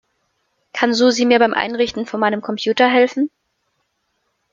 Kann Susi mir beim Einrichten von meinem Computer helfen?